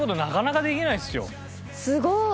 すごい！